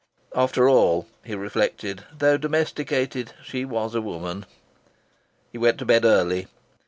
After all (he reflected), though domesticated, she was a woman. He went to bed early.